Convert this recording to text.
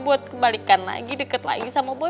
buat kembalikan lagi deket lagi sama gue